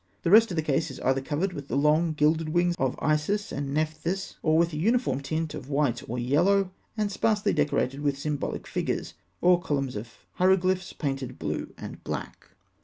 The rest of the case is either covered with the long, gilded wings of Isis and Nephthys, or with a uniform tint of white or yellow, and sparsely decorated with symbolic figures, or columns of hieroglyphs painted blue and black.